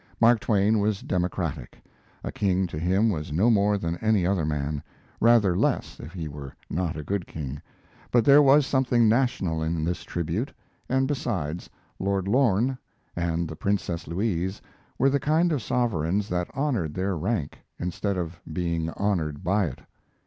Mark Twain was democratic. A king to him was no more than any other man; rather less if he were not a good king. But there was something national in this tribute; and, besides, Lord Lorne and the Princess Louise were the kind of sovereigns that honored their rank, instead of being honored by it.